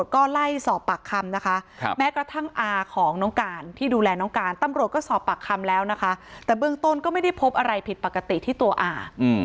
ก็พอปักคำแล้วนะคะแต่เบื้องต้นก็ไม่ได้พบอะไรผิดปกติที่ตัวอ่า